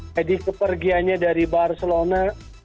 jadi kepergiannya dari barcelona